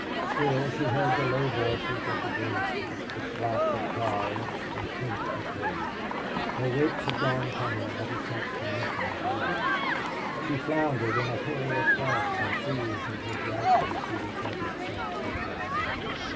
Still she heard the low voices of the gamesters, the slap of cards and clink of gold. Her wits had gone from her ever since the mention of Neale. She floundered in a whirl of thoughts and fears until gradually she recovered self possession.